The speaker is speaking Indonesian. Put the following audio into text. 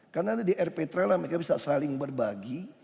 karena di rptra mereka bisa saling berbagi